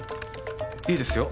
いいですよ。